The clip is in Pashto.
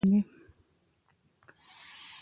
کیفیت له قیمته مهم دی.